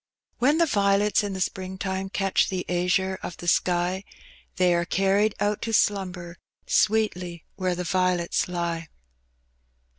When the violets in the spring time Catch the aznre of the sky. They are carried out to slumber Sweetly where the violets lie.